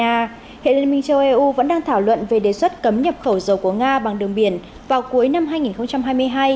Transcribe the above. nga hệ liên minh châu âu vẫn đang thảo luận về đề xuất cấm nhập khẩu dầu của nga bằng đường biển vào cuối năm hai nghìn hai mươi hai